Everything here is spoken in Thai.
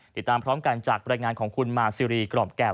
ติดตามพร้อมกันจากบรรยายงานของคุณมาซีรีกรอบแก้ว